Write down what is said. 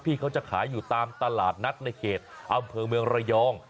พี่เขาจะขายอยู่ตามตลาดนัดในเขตอำเภอเมืองระยอง